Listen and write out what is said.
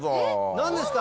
何ですか？